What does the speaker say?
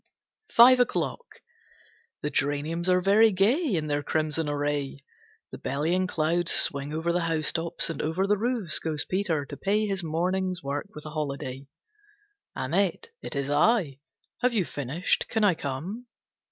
II Five o'clock. The geraniums are very gay in their crimson array. The bellying clouds swing over the housetops, and over the roofs goes Peter to pay his morning's work with a holiday. "Annette, it is I. Have you finished? Can I come?"